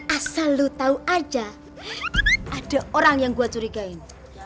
asal lu tahu aja ada orang yang gua curigain